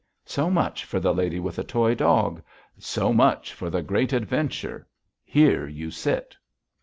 "So much for the lady with the toy dog.... So much for the great adventure.... Here you sit."